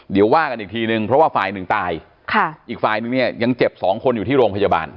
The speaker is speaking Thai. เดี๋ยวว่ากันอีกทีนึงเพราะว่าฝ่ายหนึ่งตายค่ะอีกฝ่ายนึงเนี่ยยังเจ็บสองคนอยู่ที่โรงพยาบาล